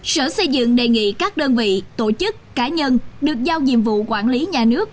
sở xây dựng đề nghị các đơn vị tổ chức cá nhân được giao nhiệm vụ quản lý nhà nước